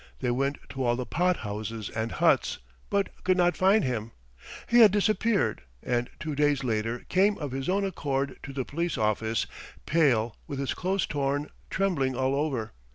They went to all the pothouses and huts, but could not find him. He had disappeared, and two days later came of his own accord to the police office, pale, with his clothes torn, trembling all over.